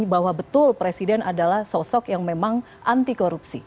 bahwa betul presiden adalah sosok yang memang anti korupsi